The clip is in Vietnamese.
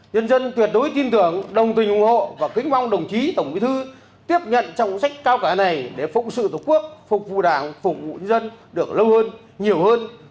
nhân dân tuyệt đối tin tưởng đồng tình ủng hộ và kính mong đồng chí tổng bí thư tiếp nhận trong sách cao cả này để phụng sự tổ quốc phục vụ đảng phục vụ nhân dân được lâu hơn nhiều hơn